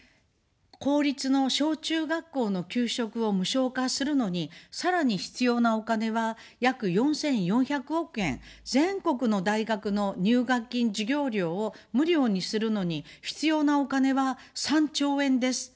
公立の小中学校の給食を無償化するのに、さらに必要なお金は約４４００億円、全国の大学の入学金、授業料を無料にするのに必要なお金は３兆円です。